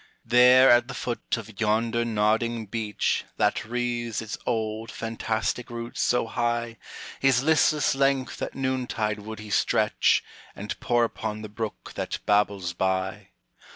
"There at the foot of yonder nodding beech, That wreathes its old, fantastic roots so high, His listless length at noontide would he stretch, And pore upon the brook that babbles by.